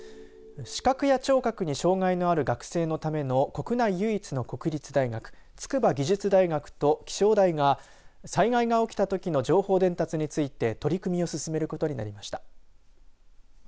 視覚や聴覚に障害のある学生のための国内唯一の国立大学筑波技術大学と気象台が災害が起きたときの情報伝達について取り組みを進めることになりました。